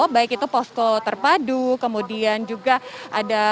baik itu posko terpadu kemudian juga ada